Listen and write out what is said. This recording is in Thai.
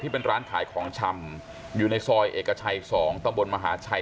เป็นร้านขายของชำอยู่ในซอยเอกชัย๒ตะบนมหาชัย